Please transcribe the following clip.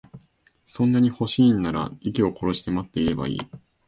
そんなに欲しいんなら、息を殺して待ってればいい。